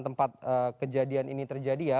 tempat kejadian ini terjadi ya